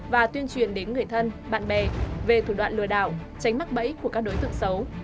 và tuyên truyền đến người thân bạn bè về thủ đoạn lừa đảo tránh mắc bẫy của các đối tượng xấu